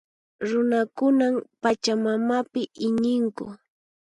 Runakunan Pachamamapi iñinku.